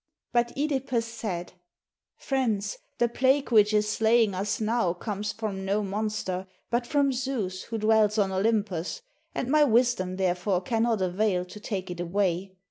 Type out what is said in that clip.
But (Edipus said, "Friends, the plague which is slaying us now comes from no monster, but from Zeus who dwells on Olympus; and my wisdom therefore cannot avail to take it away.